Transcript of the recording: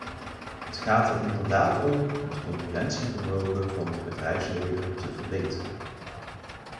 Het gaat er inderdaad om het concurrentie-vermogen van het bedrijfsleven te verbeteren.